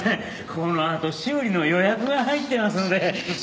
このあと修理の予約が入ってますので。